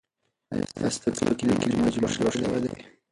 ایا ستا په کلي کې نوی جومات جوړ شوی دی؟